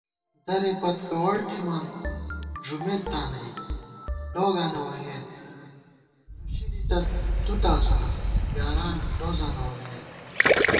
درېپتکوَڑ تھِمان ݫُمېت تانئ، لوگاں نہ ووئیمېت * لوشی دِتہ تُو تاسہ یاران لوزاں نہ ووئیمېت